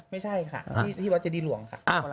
ไม่ใช่ค่ะที่วัดเจดีหลวงค่ะ